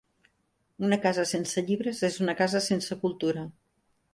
Una casa sense llibres és una casa sense cultura.